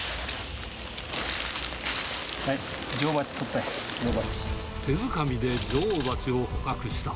はい、手づかみで女王バチを捕獲した。